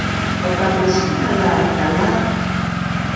Aupa masihal a dalaq